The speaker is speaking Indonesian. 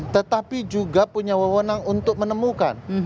tetapi juga punya wewenang untuk menemukan